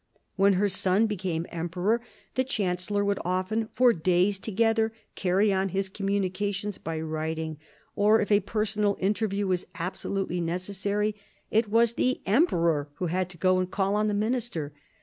When her son became emperor, the chancellor would often for days together carry on his communications by writing; or if a personal interview was absolutely necessary, it was the emperor who had to go and call on the minister.